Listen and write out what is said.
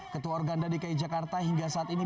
ketua organda dki jakarta hingga saat ini